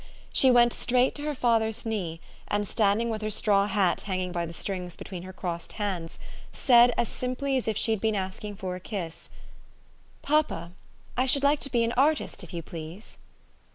She went straight to her father's knee, and, stand ing with her straw hat hanging by the strings be tween her crossed hands, said as simply as if she had been asking for a kiss, " Papa, I should like to be an artist, if you please."